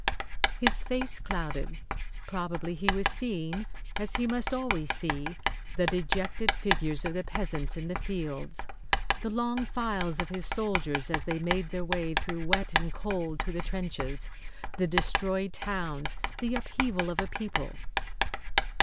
His face clouded. Probably he was seeing, as he must always see, the dejected figures of the peasants in the fields; the long files of his soldiers as they made their way through wet and cold to the trenches; the destroyed towns; the upheaval of a people.